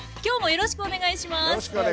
よろしくお願いします。